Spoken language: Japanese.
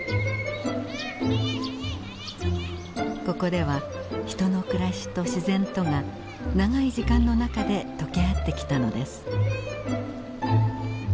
ここでは人の暮らしと自然とが長い時間の中で溶け合ってきたのです。